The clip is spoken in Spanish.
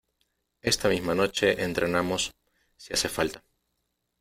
esta misma noche entrenamos, si hace falta.